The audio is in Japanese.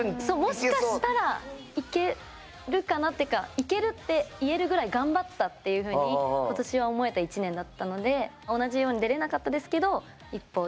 そうもしかしたらいけるかなっていうか「いける」って言えるぐらい頑張ったっていうふうに今年は思えた１年だったので同じように出れなかったですけどいや